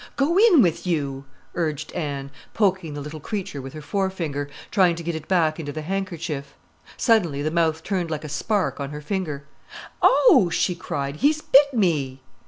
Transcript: "Go in with you!" urged Anne, poking the little creature with her forefinger, trying to get it back into the handkerchief. Suddenly the mouth turned like a spark on her finger. "Oh!" she cried, "he's bit me."